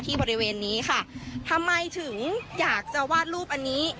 บริเวณนี้ค่ะทำไมถึงอยากจะวาดรูปอันนี้